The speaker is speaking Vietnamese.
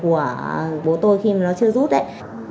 của bố tôi khi mà nó chưa rút đấy